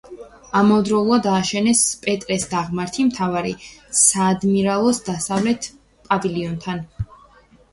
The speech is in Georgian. ამავდროულად ააშენეს პეტრეს დაღმართი მთავარი საადმირალოს დასავლეთ პავილიონთან.